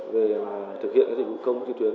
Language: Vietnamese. về thực hiện dịch vụ công trực tuyến